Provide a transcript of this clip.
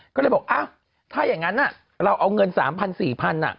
ก็เลยบอกถ้าอย่างนั้นเราเอาเงิน๓๐๐๔๐๐บาท